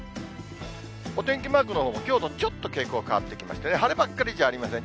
お天気マークのほう、きょうとちょっと傾向変わってきましてね、晴ればっかりじゃありません。